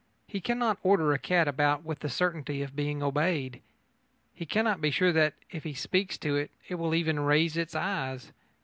He cannot order a cat about with the certainty of being obeyed. He cannot be sure that, if he speaks to it, it will even raise its eyes.